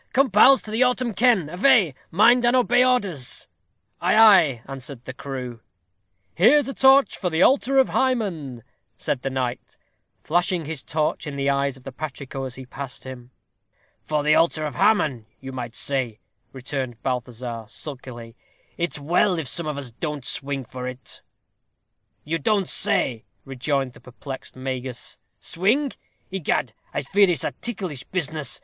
Come, pals, to the autem ken. Avay. Mind and obey orders." "Ay, ay," answered the crew. "Here's a torch for the altar of Hymen," said the knight, flashing his torch in the eyes of the patrico as he passed him. "For the halter of Haman, you might say," returned Balthazar, sulkily. "It's well if some of us don't swing for it." "You don't say," rejoined the perplexed Magus, "swing! Egad I fear it's a ticklish business.